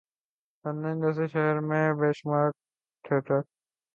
London جیسے شہرمیں بیشمار تھیٹر ہیں‘نائٹ کلب ہیں۔